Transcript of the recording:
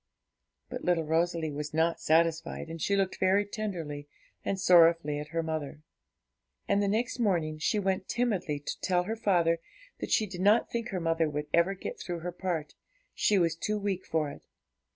But little Rosalie was not satisfied, she looked very tenderly and sorrowfully at her mother; and the next morning she went timidly to tell her father that she did not think her mother would ever get through her part, she was too weak for it.